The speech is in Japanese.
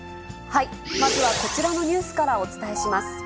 まずはこちらのニュースからお伝えします。